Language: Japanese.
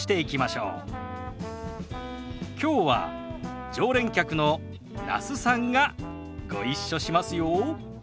きょうは常連客の那須さんがご一緒しますよ。